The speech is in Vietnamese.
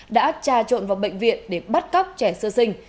đã trà trộn vào bệnh viện để bắt cóc trẻ sơ sinh